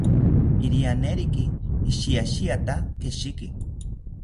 Irianeriki ishiashiata keshiki